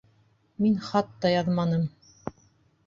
Мин хат та яҙманым.